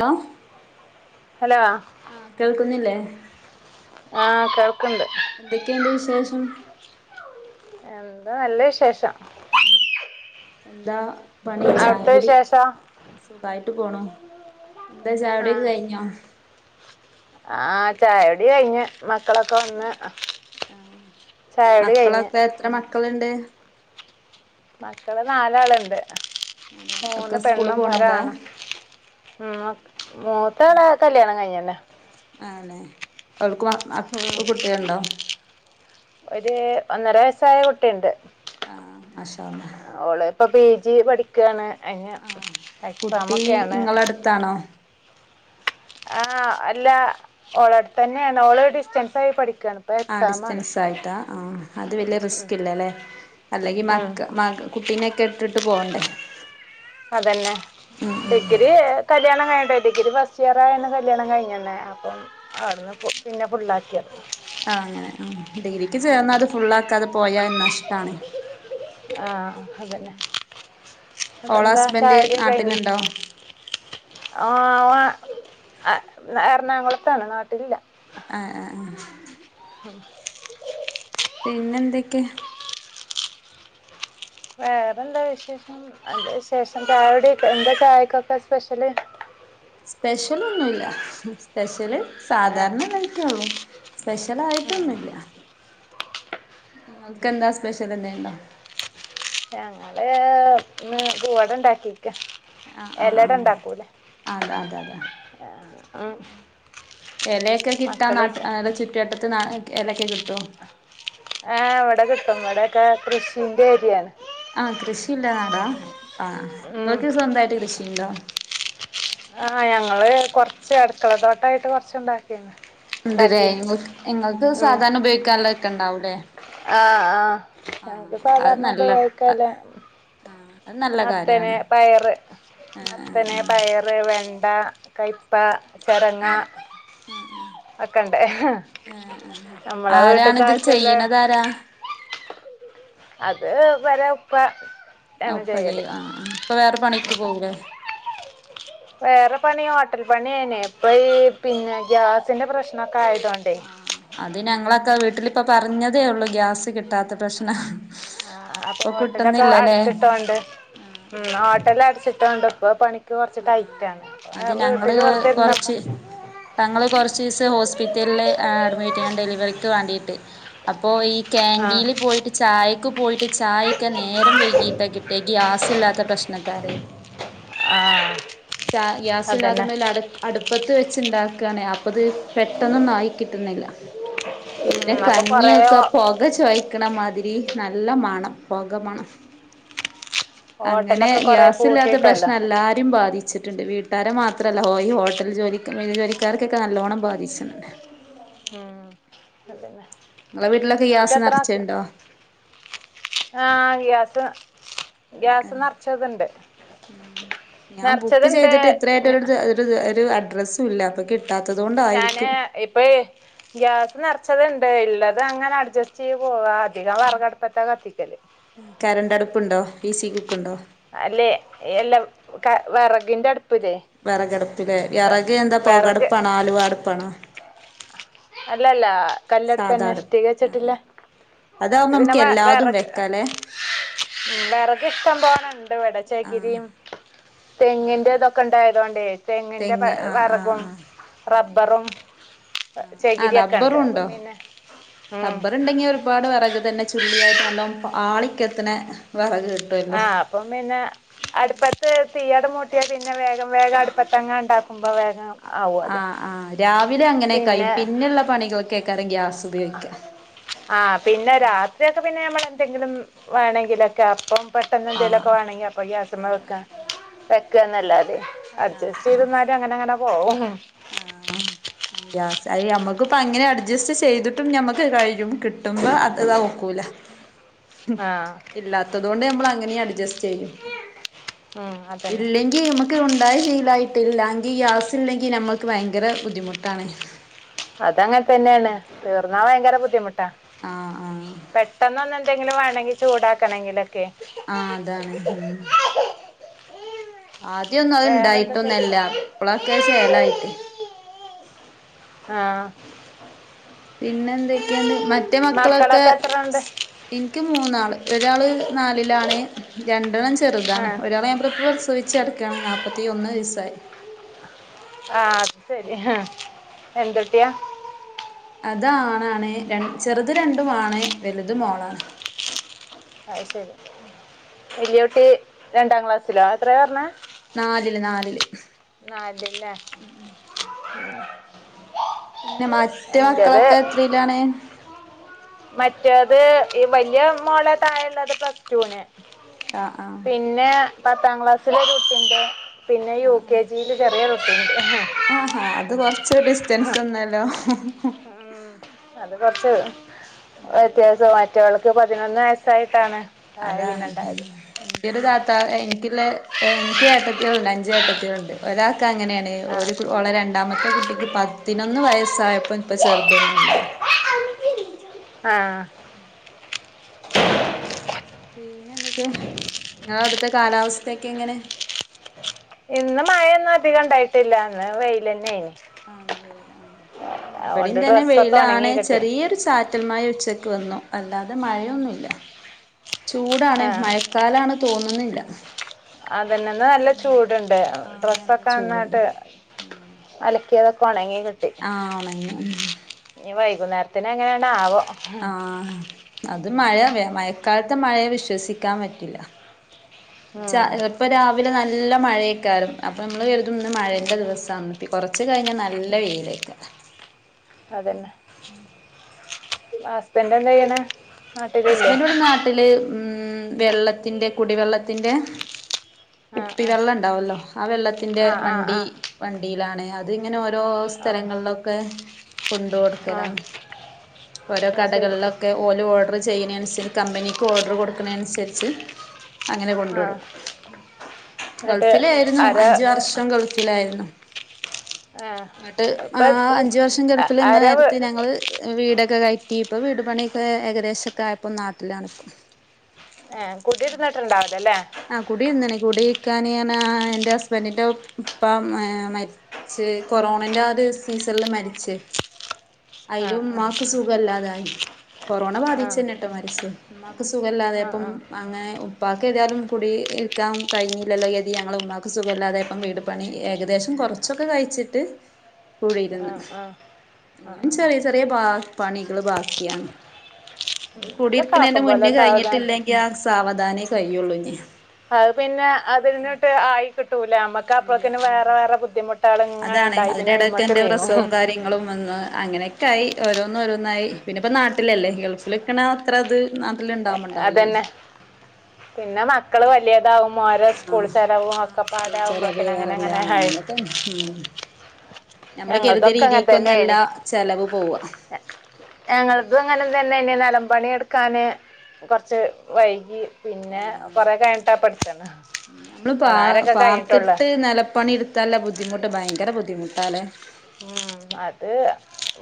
Hello hello ആ കേൾക്കുന്നില്ലേ? ആ കേൾക്കണ്ട്. എന്തൊക്കെണ്ട് വിശേഷം എന്താ നല്ല വിശേഷം. എന്താ പണി അവിടുത്തെ ചായുടി വിശേഷം സുഖായിട്ട് പോണു എന്താ ചായുടിയൊക്കെ കയിഞ്ഞോ? ആഹ് ചായുടി കയിഞ്ഞ് മക്കളൊക്കെ വന്ന് ആഹ് ചായുടി കയിഞ്ഞ് മക്കളൊക്കെ എത്ര മക്കളിണ്ട് മക്കള് നാലാളുണ്ട് ഒക്കെ മൂന്ന് സ്കൂള് പെണ്ണും പോണോലാ ഒരാണും ഉം മാക് മൂത്താളെ കല്യാണം കഴിഞ്ഞിണ് ആണേ അവൾക്ക് വാ അക് കുട്ടിഇണ്ടോ ഒര് ഒന്നര വയസ്സായ കുട്ടിയുണ്ട് ആ മാഷാഅള്ളാഹ് ഓള് ഇപ്പോ പി. ജി. പഠിക്കയാണ് അയിന് എക്സാം ഒക്കെയാണ് അട്ത്താണോ ആഹ് അല്ല ഓള അടുത്ത് തന്നെയാണ് ഓള ഡിസ്റ്റൻസ് ആയി പഠിക്കയാണ് ആ ഡിസ്റ്റൻസ് ആയിട്ടാ ആ അത് വലിയ റിസ്ക് ഇല്ലല്ലേ അല്ലെങ്കി ഉം മക്ക മക കുട്ടിനെക്കെ ഇട്ടിട്ടു പോണ്ടേ അതന്നെ ഇത് കല്യാണം കഴിഞ്ഞിട്ട് ഡിഗ്രി ഫസ്റ്റ് ഇയർ ആയന് കല്യാണം കഴിഞ്ഞന്നെ അപ്പം അടുന്ന് പു പിന്നെ പുള്ളാക്കിയ ആ അങ്ങനെ ഡിഗ്രിക്ക് ചേർന്ന അത് ഫുൾ ആക്കാതെ പോയാ നഷ്ടാണ് ആ അതന്നെ ഓള അതെന്താ ചായ ഹസ്ബൻഡ് കുടിയൊക്കെ കഴിഞ്ഞു നാട്ടിലുണ്ടോ ആ വ അ എറണാകുളത്താണ് നാട്ടിലില്ല ആഹ് ആഹ് ആഹ് ഉം പിന്നെ എന്തൊക്കെ വേറെന്താ വിശേഷം നല്ല വിശേഷം ചായ കുടികാ എന്താ ചായക്കൊക്കെ സ്പെഷ്യല് സ്പെഷ്യലൊന്നുല്ല. സ്പെഷ്യല് ആ സാധാരണള്ളതക്കെയുള്ളു. സ്പെഷ്യലായിട്ടൊന്നും ഇല്ല. നിങ്ങക്ക് എന്താ സ്പെഷ്യൽ എന്തെണ്ടോ? ഞങ്ങള് ന്ന് പുവട ണ്ടാക്കിക്കാ ആ, ആ, ആ, അ അത, അത, അത. ആഹ് എലെക്കെ കിട്ടാ മക്കള് നാട്ട് ചുറ്റുവട്ടത്ത് നാ എലെക്കെ കിട്ടുവോ? ആ ഇവിടെ കിട്ടും ഇവിടൊക്കെ കൃഷിന്റെ ഏരിയാണ്. ആ കൃഷിയില്ല നാടാ. ആ ഉം നിങ്ങൾക്ക് സ്വന്തായിട്ട് കൃഷിണ്ടോ? ആഹ് ഞങ്ങള് കൊർച്ച് അടുക്കള തോട്ടായിട്ട് കൊർച്ചുണ്ടാക്ക ഉം ഉണ്ട്ല്ലേ. ങ്ങൾക്ക് സാധാരണ ഉപയോഗിക്കാനുള്ള ഒക്കെ ഉണ്ടാവൂലേ. ആ, ആ ഞങ്ങക്ക് അത് സാധാരണ നല്ല ഉപയോഗിക്കല്ല ആഹ് അത് നല്ല മത്തന്, കാര്യാണ് പയർ, ആഹ് മത്തന്, ആഹ് പയർ ർ, വെണ്ട, കയ്പ്പ, ചരങ്ങ. ആ, ആ. വോക്കെണ്ട്. നമ്മള ആരാണിത് വീട്ട്ക്കാവശല്ല ചെയ്യണതാരാ അത് വരാ ഉപ്പ ആ ആണ് ഉപ്പ ചെയ്യല് ചെയ്യും. ആ, ആ ഉപ്പ വേറെ പണിക്ക് പോകൂല്ലേ? വേറെ പണി ഹോട്ടൽ പണിയാനെ ഇപ്പൊ ഈ പിന്നെ ഗ്യാസിന്റെ പ്രശ്നോക്കെ ആയതൊണ്ടേ ആഹ് അത് ഞങ്ങളൊക്കെ വീട്ടിലിപ്പ പറഞ്ഞതേ ഒള്ളൂ ഗ്യാസ് കിട്ടാത്ത പ്രശ്നം. ആ അപ്പൊ ഇപ്പൊ ഹോട്ടലക്ക കിട്ടുന്നില്ലല്ലേ അടച്ചിട്ടോണ്ട് ഉം. ഹോട്ടലടച്ചിട്ടോണ്ട് ഇപ്പ പണിക്ക് കൊറച്ച് ടൈറ്റ് ആണ്. അത് ഞങ്ങള് വീട്ടില് വെറുതെരുന്നപ്പ കൊറച്ച് ഞങ്ങള് കൊറച്ചീസം ഹോസ്പിറ്റല്ല് അഡ്മിറ്റ് ചെയ്യാൻ ഡെലിവറിക്ക് വേണ്ടിയിട്ട്. അപ്പോ ഈ ആഹ് കാന്റീല് പോയിട്ട് ചായക്ക് പോയിട്ട് ചായൊക്കെ നേരം വൈകീട്ട കി ഈ ഗ്യാസ് ഇല്ലാത്ത പ്രശ്നത്താലെ. ആ. ചാ ഗ്യാസ് ഇല്ലാതൊണ്ടേ അടു, അടുപ്പത്ത് വെച്ച്ണ്ടാക്കുആണ്. അ അത് പെട്ടെന്നൊന്നും ആയി കിട്ടുന്നില്ല. പിന്നെ ഉം അപ്പൊ കൊറേ കഞ്ഞിയൊക്കെ പൊ ക ചോയ്ക്കണമാതിരി നല്ല മണം. പൊക മണം. അങ്ങനെ ഹോട്ടലൊക്കെ കൊറേ ഗ്യാസില്ലാത്ത പൂട്ടിയിട്ടല്ലോ പ്രശ്നല്ലാ ബാധിച്ചിട്ടുണ്ട്. വീട്ടാരെ മാത്രമല്ല ഹ ഈ ഹോട്ടൽ ജോലിക്കാ ജോലിക്കാർക്കൊക്കെ നല്ലോണം ബാധിച്ചിണ്ട്. ഉം. അതെല്ലേ. ഇങ്ങളെ വീട്ടിലൊക്കെ ഗ്യാസ് ങ്ങൾക്കെത്രമ നെറച്ച്ണ്ടോ ആഹ് ഗ്യാസ്, ഗ്യാസ് നെറ്ച്ചത്ണ്ട്. ഉം. ഞാ ബുക്ക് ചെയ്തിട്ടിത്രയിട്ടൊര്ടതു ഒരു അഡ്രസ്സും ഇല്ല അപ്പൊ കി ട്ടാത്തതോണ്ട. ഞാന് ഇപ്പെയ് ഗ്യാസ് നെറ്ച്ചത്ണ്ട്. ഉള്ളത് അങ്ങനെ അഡ്ജസ്റ്റ്യ്ത് പോവാ. ധികം വെറകട്പ്പത്താ കത്തിക്കല്. കരണ്ട്ടുപ്പുണ്ടോ? ഇസി കുക്ക് ണ്ടോ? അല്ലെ എല്ലം ക വെറകിന്റെ അട് വെറകട്പ്പ്ല് വെറകി എന്താ വിറക് പൊകട്പ്പാണോ ആലുവ അടുപ്പാണോ? അല്ലല്ല. സാധാ അടുപ്പ് കല്ലടുപ്പന്നെഷ്ടീകച്ചിട്ടില്ല. ആഹ് നമക്ക് അതാവുമ്പോ പിന്നെ നമുക്ക് വ എല്ലാതും വെറക്. വെക്കാലേ വെറക് ഇഷ്ടം പോലണ്ട്വ്ടെ ആഹ് ചെകരിയും. തെങ്ങിന്റെതൊക്കെ ഇണ്ടായതോണ്ടെ. തെങ്ങിന്റെ വെ തെങ്ങ് ആഹ് വെറകും റബ്ബറും. ആ ചകിരിയൊക്കെ ടബ്ബറു ഉണ്ട് അപ്പം ഉണ്ടോ പിന്നെ ഉം. റബ്ബറുണ്ടെങ്കി. പാട് വെറക് തന്നെ ചുള്ളിയായിട്ട് നല്ലൊ ആളിക്കത്ത്ണെ വെറക് കി ആഹ് അപ്പം പിന്നെ. അടുപ്പത്ത് തീയട മൂട്ടിയാ പിന്നെ വേഗം വേഗം അടുപ്പത്തങ്ങണ്ടാക്ക്മ്പോ വേഗം. ആവുമല്ലോ ആഹ്, ആഹ് രാവിലെ അങ്ങനെക്കായും പിന്നെ പിന്നെള്ള പണികൊക്കെക ഗ്യാസ് ഉപയോഗിക്ക. ആഹ് പിന്നെ രാത്രിയൊക്കെ പിന്നെ നമ്മളെന്തെങ്കിലും വേണങ്കിലൊക്കെ അപ്പം. ട്ട ആഹ് എന്തെലൊക്കെ വേണങ്കി അപ്പൊ ഗ്യാസ്മ്മ വെക്ക വെക്ക്അനലത് ആഹ് അഡ്ജസ്റ്റ്യ്ത് ന റ്റങ്ങനങ്ങന പോവും. ആഹ് ആഹ് ഗ്യാസ് അയ് നമ്മക്ക്പ്പൊ അങ്ങനെ അഡ്ജസ്റ്റ് ചെയ്തിട്ടും ഞമ്മക്ക് കഴിയും കിട്ടുമ്പോ അത് ഇതോക്കൂല. ആഹ് ഇല്ലാത്തതോണ്ട് ഞമ്മളങ്ങനി അഡ്ജസ്റ്റെയ്യും ഉം അതന്നെ ഇല്ലെങ്ക് ങ്കി നമക്ക് ഉണ്ടായി ശിലായിട്ടില്ലാങ്കി ഗ്യാസ് ഇല്ലെങ്കി ഞമ്മക്ക് ഭയങ്കര ബുദ്ധിമുട്ടാണ്. അതങ്ങൻതന്നെണ് തീർന്നാ വയങ്കര ബുദ്ധിമുട്ടാ ആഹ് ആഹ് പെട്ടെന്നൊന്ന്. ന്തെങ്കിലു വാണങ്കി ചൂടാക്കണെങ്കിലൊക്കെ. ആഹ് അതാണ്. ആദ്യന്നും അത് വേറെ എന്തൊക്കെ ഇണ്ടായിട്ടൊന്നല്ല ഇപ്പളൊക്കെ ചേലായിട്ട്. ആഹ്. പിന്നെന്തൊക്കെയ്ണ്ട് മറ്റേ മക്കളൊക്കെ. എത്ര ഉണ്ട് എൻക്ക് മൂന്നാള് ഒരാള് നാലിലാണ് രണ്ടെണ്ണം ചെറുതാണ് ആഹ് ഒരാൾ ഞാൻ പ്ര പ്രസവിച്ചെട്ക്കാണ് നാപ്പത്തിയൊന്നയസായി. ആഹ് അത് ശരി എന്തുട്ട്യാ അതാണാണ് രൺ ചെറുത് രണ്ടു ആണ് വലുത് മോളാണ്. അയ്ശരി വല്യട്ടി രണ്ടാ ക്ലാസ്സിലാ എത്രയറഞ്ഞെ? നാലില് നാലില്. നാലില് ലെ. പിന്നെ മറ്റെ മക്കളൊക്കെ എത്രേലാണ്? മറ്റേത് ഈ വലിയ മോളെ തായെളത് പ്ലസ്ടുന് ആഹ് ആഹ് പിന്നെ പത്താം ക്ലാസ്സിലൊരുട്ടിണ്ട് പിന്നെ യു തില് ചെറിയൊരുട്ടിണ്ട്. ആഹാ അത് കൊറ്ച്ച് ഡിസ്റ്റൻസ് വന്നല്ലോ? ഉം അത് കൊറ്ച്ച് വ്യത്യാസമാ റ്റോൾക്ക് പതിനൊന്ന് വയസ്സായിട്ടാണ് ആ അതാണ് പിന്നെണ്ടായത്. ഉം ഒരു താത്താ എൻക്ക്ള്ളെ എനിക്ക് ഏട്ടത്തിയള്ണ്ട് അഞ്ചു ഏട്ടത്തിയള്ണ്ട്. ഒരാക്ക അങ്ങനെയാണ് ഒരു കു ഒളെ രണ്ടാമത്തെ കുട്ടിക്ക് പതിനൊന്ന് വയസ്സായപ്പോ ഇപ്പ ചെറ്തൊന്ന് ഇണ്ടായി. ആഹ്. പിന്നെ എന്തൊക്കെ നീങ്ങള അവിടുത്തെ കാലാവസ്ഥയൊക്കെ എങ്ങനെ ഇന്ന് മഴയൊന്നും അധികം ഇണ്ടായിട്ടില്ല അന്ന് വെയില് തന്നെ ന് ആഹ് ഇന്ന് വെയില് ആ ഇമ്പടീംതന്നെ ഡ്രസ്സൊക്കെ വെയില ഉണങ്ങി ആണ് കിട്ടി ചെറിയൊരു ച്ച റ്റൽ മഴ ഉച്ചക്ക് വന്നു അല്ലാതെ മഴയൊന്നുമല്ല ചൂടാണ് ആ മഴക്കാലാണ് തോന്നുന്നില്ല അതന്നന്ന് നല്ല ചൂടുണ്ട് ആഹ് നല്ല ചൂടുണ്ട് ഡ്രസ്സൊക്കെന്ന്ന്നായിട്ട് അലക്കിയതൊക്കെ ഒണങ്ങികി ആഹ് ഒണങ്ങി ഉം ഇനി വൈകുന്നേരത്തിന് എങ്ങനെണവോ ആഹ് അത് മഴ മഴക്കാലത്തെ മഴയെ വിശ്വസിക്കാൻ പറ്റില്ല ച്ച ഉം ചെലപ്പൊ രാവിലെ നല്ല മഴയൊക്കാരം അപ്പൊ നമ്മള് കെരുത്തും ന്ന് മഴന്റെ ദിവസന്ന് ഇ കുറച്ച് കഴിഞ്ഞാൽ നല്ല വെയിലേക്ക അതന്നെ ഹസ്ബൻഡ എന്താ ചെയ്ണെ ഹസ്ബൻഡടെ നാട്ടില് ഉം വെള്ളത്തിന്റെ കുടിവെള്ളത്തിന്റെ ആ കുപ്പി ആ വെള്ളം ഉണ്ടാവല്ലോ ആ വെള്ളത്തിന്റെ ആ ആ ആ വണ്ടി വണ്ടിയിലാണ് അത്ങ്ങനെ ഓ രോ ആ സ്ഥലങ്ങളിലൊക്കെ കൊണ്ട് ആ കൊടുക്കലാണ് ഓരോ അത് ശരി കടകളിലൊക്കെ ഓല് ഓർഡർ ച്ചെയിണെ അൻസരി മ്പനിക് ഓർ ഡർ കൊട്ക്ണെന്ന് അനുസരിച്ച് അങ്ങനെ കൊണ്ട് ആ ട്ട്ക്കും എന്നിട്ട് ഗൾഫിലായിരുന്നു ആരാ അഞ്ച് വർഷം ഗൾഫിലായിരുന്നു ആ എന്നിട്ട് ആ ഇപ്പം അഞ്ചു വർഷം ഗൾഫില് ഇന്ന ആരാ വീ നേരത്തെ ഞങ്ങള് വീടൊക്കെ കയറ്റി ഇപ്പൊ വീട് പണിയൊക്കെ ഏകദേശംക്കെ ആയപ്പോ നാട്ടിലണ് ഇപ്പൊ ഏഹ് കുട്ടിരുന്നിട്ടുണ്ടാവുല്ലല്ലേ ആ കുടിയിരുന്നണ കുടരിക്കാന ൻ എറെ ഹസ്ബൻറിന്റെ ഉപ്പ മ ച് കൊറോണന്റെ ആ ഒരു സീസണില് മരിച്ചേ അയില് ആഹ് ഉമ്മയ്ക്ക് സുഖമല്ലാതായി കൊറോണ ആഹ് ബാധിച്ചുന്നെട്ടോ മരിച്ചേ ഉ്മാക്ക് സുഖല്ലാതെ ആഹ് ആഹ് അപ്പം ആഹ് അങ്ങനെ ഉപ്പാക്കക്ക് ഏതായാലും കുടി ഇൽക്കാൻ കഴിഞ്ഞില്ലല്ലോ യതി ഞങ്ങൾ ഉമമാക്ക് സുഖമല്ലാതെ ഇപ്പം വീട് പണി ഏകദേശം കുറച്ചൊക്കെ കഴിച്ചിട്ട് കൂടിയിന്ന് ആഹ് ആഹ് ആഹ് ഇനും ആഹ് ചെറിയ ചെറിയ പണികള് ബാക്കിയാണ് അത് ഉം അതൊക്കെ കൂടിരിക്കണേന്റെ ആക്കും പോലെ മുന്നേ സാവധാനം കഴിഞ്ഞിട്ടില്ലെങ്കി ആ സാവധാനെ കഴിയുള്ളൂ ഇ അ പിന്നെ അതിന്നിട്ട് ആയി കിട്ടൂലേ നമ്മക്ക് ഇല്ല അപ്പഴക്കന് വേറെ ഉം വേറെ ബുദ്ധിമുട്ട് അതാണ് അതിന്റെടയ്ക്കെ എന്റെ പ്രസവും കാര്യങ്ങളും വന്ന് അങ്ങനെെ കായി ഓരോന്നും ഓരോന്നായി പിന്നെ ഇപ്പ നാട്ടിലല്ലേ ഗൾഫിൽക്കണ അത്ര അത് ഇപ്പോൾ നാട്ടിൽ ഉണ്ടാകും അതന്നെ പിന്നെ മക്കള് വലിയതാവുമ്പോ ഓരോ ആഹ് സ്കൂൾ ചരാവും ഒക്കപ്പ അതാവുമ്പോക്കന അങ്ങനെ അങ്ങനെ ഉ നമ്മള് കര് തിയ ഞങ്ങളതൊക്കെ അങ്ങനെ രീതിക്കൊന്നല്ല തന്നെയായിന് ചെലവ് പോവ ഞങ്ങളതും അങ്ങനെ തന്നെ ഇ നിലം പണി എടുക്കാന് കുറച്ച് വൈകി പിന്നെ ആഹ് കുറെ കഴിഞ്ഞിട്ടാ പടുത്തണ പതിനാരൊക്കെ കഴിഞ്ഞിട്ടുള്ളൂ നില പണി എടുത് തല്ല ബുദ്ധിമുട്ട് ഭയങ്കര ബുദ്ധിമുട്ടാല്ലേ ഉം അത്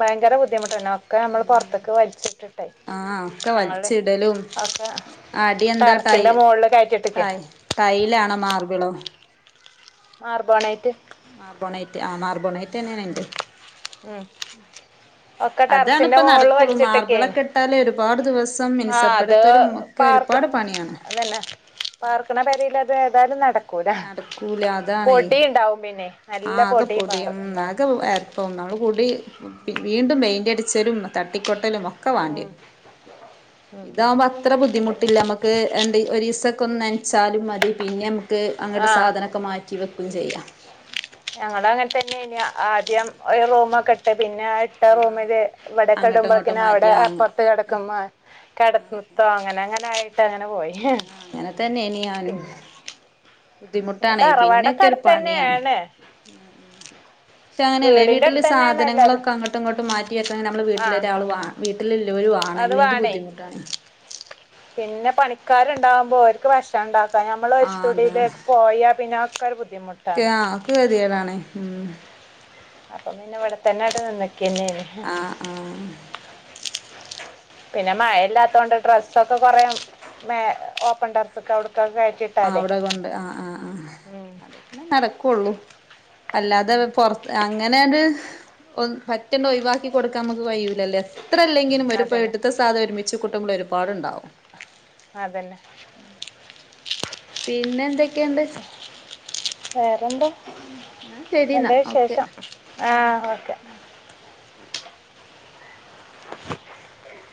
ഭയങ്കര ബുദ്ധിമുട്ടണ്ട ഒക്കെ നമ്മൾ പുറത്ത്ക്ക് വലച്ചിട്ടിട്ടെ ആഹ് ഒക്കെ ഞങ്ങളുടെ വലിച്ചിടലും ഒക്കെ അടി ടെറസിന്റെ മോളില് കയറ്റിട്ടക്കേ ടെയലണോ മാർബളോ മാർബോണയ്റ്റ് മർബോൺ യിറ്റ് ആ മർബോൺ ഐറ്റ് ഉ ഉ ഒക്കെ ടെറസിന്റെ മുകളിൽ വലിച്ചിട്ടൊക്കയിന് ട്ടാല ഒരുപാട് ദിവസം ആ അത് മിനുസപ്പെടുത്തലും ഒക്കെ പാർക്ക ഒരുപാട് പണിയാണ് അന്നെ പാർക്കണ പരിൽ അത് ഏതായാലും നടക്ക നടക്കൂല അതാണേ പൊടിയ ഉണ്ടാവും പിന്നെ നല്ല പൊടിയും മാറ ഉണ്ടാവും [unintelligible] ഏഹ് ഒന്നാള് കൂടി വീണ്ടും പെയിന്റ് അടിച്ചലും തട്ടിക്കൊട്ടലും ഒക്കെ വാണ്ടിവെരും ഉം ഉം ഇതാവുമ്പോ അത്ര അതന്നെ ബുദ്ധിമുട്ടില്ല നമുക്ക് ഒരീസം ഒക്കെ മ്മക്ക് നനച്ചാലും മതി പിന്നെ അങ്ങട്ട് ആ സാധനക്കെ മാറ്റിവെക്കും ചെയ്യാം ഞങ്ങൾ അങ്ങനെ തന്നെ ആയിനിം ആദ്യം ഒരു റൂമൊക്കെ ഇട്ട് പിന്നെ ഇട്ട ആ റൂമില് ഇവിടെ അങ്ങട്ടും ഇടുമ്പോഴക്കെ ഇങ്ങോട്ടും മാറ്റി അവിടെ ആ അപ്പുറത്ത് കിടക്കുമ്പോ കിടക്കത്തോ അങ്ങനെ അങ്ങനെ ആയിട്ട് അങ്ങനെ പോയി ആ അങ്ങനെ തന്നെ യിനിം ഞാനും പിന്നെ പിന്നെ ബുദ്ധിമുട്ടാണയ് തറവാടൊക്കെ പിന്നക്കെ ഒരു ഒരു അടുത്ത് പണിയാണ് തന്നെയാണ് പക്ഷെ അങ്ങനെയല്ലേ വീടിൻ്റെ വീട്ടില് അടുത്ത് തന്നെയാണ് എല്ലാവരും സാധനങ്ങളൊക്കെ അങ്ങട്ടും ഇങ്ങോട്ട് മാറ്റിവെക്കെ നമ്മള് ആ വീട്ടിൽ ഒരാൾ വാണം വീട്ടിൽ ഇല്ലൊരു വാണം അത് ഇല്ലെങ്കിൽ വേണേ ബുദ്ധിമുട്ടാണ് പിന്നെ പണിക്കാര്ണ്ടാവുമ്പോ ഓര്ക്ക് ഭക്ഷണം [unintelligible] ഉണ്ടാക്കാ നമ്മൾ ആഹ് ഒരുത്തുടിയിലേക്ക് പോയാ പിന്നെ ഒക്കൊ ഒരു ബുദ്ധിമുട്ട് ഓക്കെ ആ ഓക്കെ കേദേടാണ് ഉം അപ്പൊ പിന്നെ ഇവിടെ തന്നെ അങ്ങട്ട് നിന്നക്കെനിം ആഹ് ആഹ് പിന്നെ മഴയില്ലാത്തോണ്ട് ഡ്രസ്സൊക്കെ കുറേ ഓപ്പൺ ഡ്രസ്സ് ഒക്കെ അവിടുക്കൊക്കെ കഴറ്റിവെച്ച് ആ അവിടെ കൊണ്ട് ആ ആഹ് ആ അതൊക്കനെ നടക്കുള്ളൂ ഉം അല്ലാതെപൊറത്ത് അങ്ങനെ ഒരു പറ്റേണ്ട് ഒഴിവാക്കി കൊടുക്കാൻ നമുക്ക് കയ്യുല്ലല്ലോ ല്ലല്ലോ എത്ര ഇല്ലെങ്കിലും ഒരു അതന്നെ വീട്ടിൽത്തെ സാധങ്ങൾ ഒരുമിച്ച കുട്ടുമ്പോൾ ഒരുപാടുണ്ടാവും അതന്നെ പിന്നെ എന്തൊക്കെണ്ട് വേറെന്തോ ശരിന്നാ എന്താ വിശേഷം ഓക്കെ ആഹ് ഓക്കെ [unintelligible]